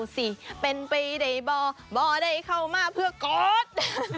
สิเป็นไปไหนบอบอได้เข้ามาเพื่อโกรธ